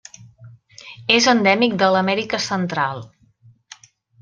És endèmic de l'Amèrica Central.